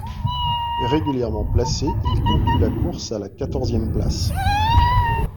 Régulièrement placé, il conclut la course à la quatorzième place.